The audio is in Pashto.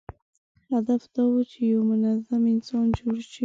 هدف دا و چې یو منظم انسان جوړ شي.